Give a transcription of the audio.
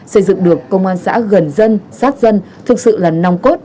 xây dựng được công an xã gần dân sát dân thực sự là nòng cốt